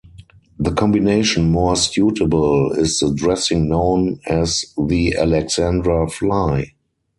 The combination more suitable is the dressing known as the Alexandra fly.